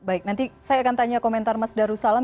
baik nanti saya akan tanya komentar mas darussalam